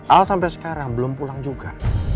al sampai sekarang belum pulang juga